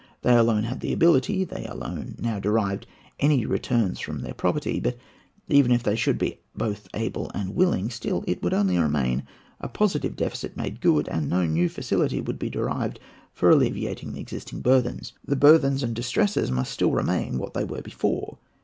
They alone had the ability, they alone now derived any returns from their property; but even if they should be both able and willing, still it would only remain a positive deficit made good, and no new facility would be derived for alleviating the existing burthens. The burthens and distresses must still remain what they were before.